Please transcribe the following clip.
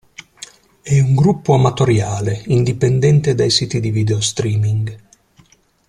È un gruppo amatoriale indipendente dai siti di video streaming.